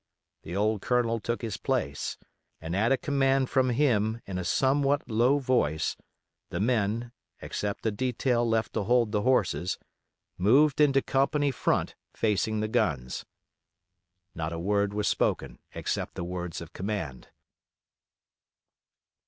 The old Colonel took his place, and at a command from him in a somewhat low voice, the men, except a detail left to hold the horses, moved into company front facing the guns. Not a word was spoken, except the words of command.